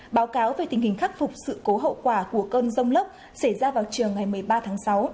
báo cáo về tình hình khắc phục sự cố hậu quả của cơn rông lốc xảy ra vào chiều ngày một mươi ba tháng sáu